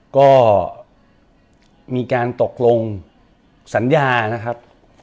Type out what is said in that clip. ก็มีการตกลงสัญญานะครับ